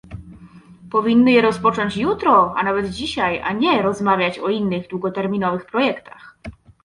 Powinny je rozpocząć jutro, a nawet dzisiaj, a nie rozmawiać o innych długoterminowych projektach